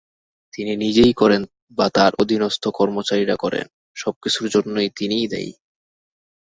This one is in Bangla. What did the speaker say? তিনি নিজেই করেন বা তার অধীনস্থ কর্মচারীরা করেন, সবকিছুর জন্যে তিনিই দায়ী।